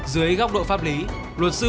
dưới góc độ pháp lý luật sư